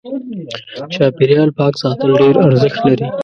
چاپېريال پاک ساتل ډېر ارزښت لري.